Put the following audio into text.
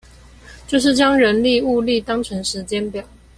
就是將人力物力當成時間表